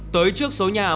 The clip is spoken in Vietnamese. tới trước số nhà